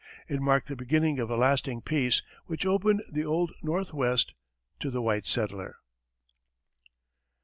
It marked the beginning of a lasting peace, which opened the "Old Northwest" to the white settler.